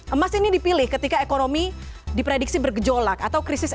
emas ini dipilih ketika ekonomi diprediksi bergejolak atau krisis